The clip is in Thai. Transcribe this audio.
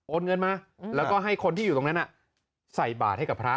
เงินมาแล้วก็ให้คนที่อยู่ตรงนั้นใส่บาทให้กับพระ